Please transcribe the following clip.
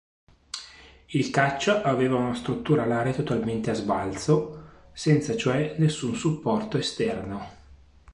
Il caccia aveva una struttura alare totalmente a sbalzo, senza cioè nessun supporto esterno.